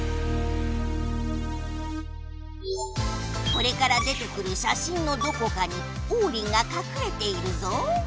これから出てくる写真のどこかにオウリンがかくれているぞ。